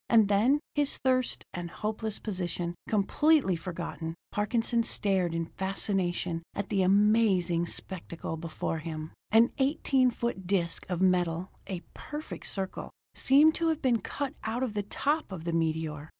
And then, his thirst and hopeless position completely forgotten, Parkinson stared in fascination at the amazing spectacle before him. An eighteen foot disc of metal, a perfect circle, seemed to have been cut out of the top of the meteor.